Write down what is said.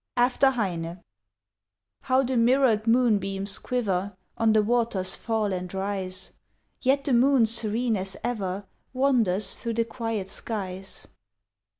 AFTER HEINE How the mirrored moonbeams quiver On the waters' fall and rise, Yet the moon serene as ever Wanders through the quiet skies.